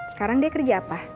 sekarang dia kerja apa